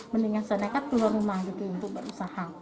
mendingan saya dekat keluar rumah untuk berusaha